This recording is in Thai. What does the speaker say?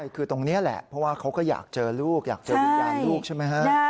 คือตรงนี้แหละเพราะว่าเขาก็อยากเจอลูกอยากเจอวิญญาณลูกใช่ไหมฮะ